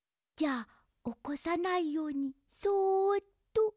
じゃあおこさないようにそっと。